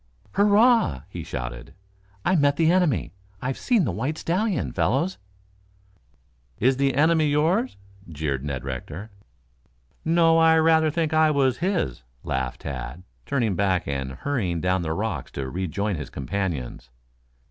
"Hurrah!" he shouted. "I met the enemy. I've seen the white stallion, fellows!" "Is the enemy yours?" jeered Ned Rector. "No; I rather think I was his," laughed Tad, turning back and hurrying down the rocks to rejoin his companions.